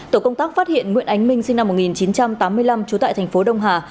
tổ công tác phát hiện nguyễn ánh minh sinh năm một nghìn chín trăm tám mươi năm trú tại thành phố đông hà